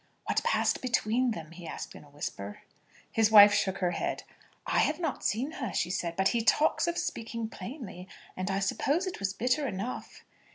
"What passed between them?" he asked in a whisper. His wife shook her head. "I have not seen her," she said, "but he talks of speaking plainly, and I suppose it was bitter enough."